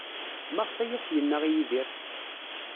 Maɣef ay as-yenna i Yidir?